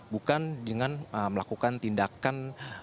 bukan dengan melakukan tindakan